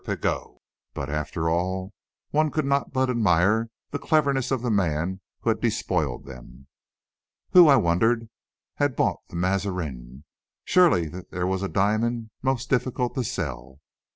Pigot; but, after all, one could not but admire the cleverness of the man who had despoiled them. Who, I wondered, had bought the Mazarin? Surely there was a diamond most difficult to sell.